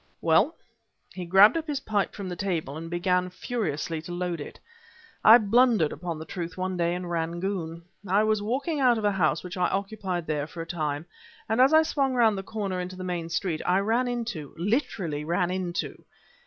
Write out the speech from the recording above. "Well" he grabbed up his pipe from the table and began furiously to load it "I blundered upon the truth one day in Rangoon. I was walking out of a house which I occupied there for a time, and as I swung around the corner into the main street, I ran into literally ran into..."